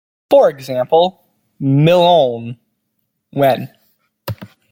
For example: "milloin" - when?